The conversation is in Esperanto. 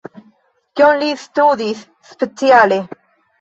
Kion li studis speciale?